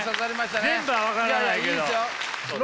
全部は分からないけど。